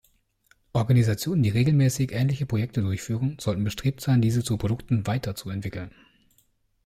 Organisationen, die regelmäßig ähnliche Projekte durchführen, sollten bestrebt sein, diese zu Produkten weiterzuentwickeln.